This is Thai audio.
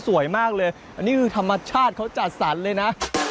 สวยมากเลยอันนี้คือธรรมชาติเขาจัดสรรเลยนะ